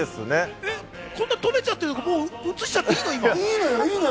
こんな採れちゃってるって、映しちゃっていいの？